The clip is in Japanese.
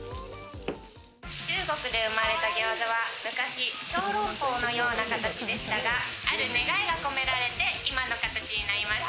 中国で生まれた餃子は昔、小龍包のような形でしたがある願いが込められて今の形になりました。